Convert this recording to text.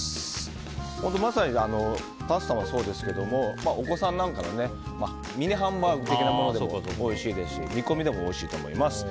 まさにパスタもそうですけどお子さんにミニハンバーグみたいなのでもおいしいですし煮込みでもおいしいと思います。